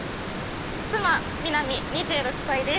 妻・南２６歳です